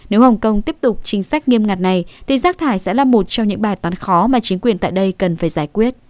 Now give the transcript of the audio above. nếu hồng kông tiếp tục chính sách nghiêm ngặt này thì rác thải sẽ là một trong những bài toán khó mà chính quyền tại đây cần phải giải quyết